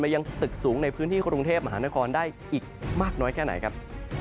ยังตึกสูงในพื้นที่กรุงเทพมหานครได้อีกมากน้อยแค่ไหนครับ